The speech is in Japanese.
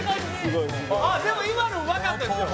でも今のうまかったですよ。